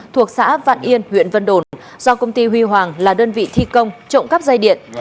thuộc xã vạn yên huyện vân đồn do công ty huy hoàng là đơn vị thi công trộm cắp dây điện